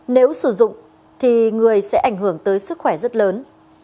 nếu sử dụng thì người sẽ ảnh hưởng tới sức khỏe rất lớn